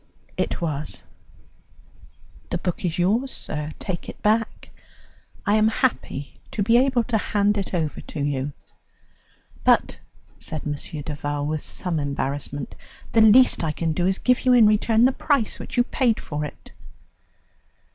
"It was!" "The book is yours, sir; take it back. I am happy to be able to hand it over to you." "But," said M. Duval with some embarrassment, "the least I can do is to give you in return the price which you paid for it."